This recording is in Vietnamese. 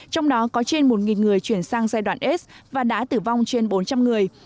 trong đó có trên một người chuyển sang giai đoạn s và đã tử vong trên bốn trăm linh người